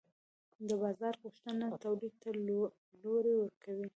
د بازار غوښتنه تولید ته لوری ورکوي.